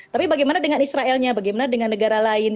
tapi bagaimana dengan israelnya bagaimana dengan negara negara lainnya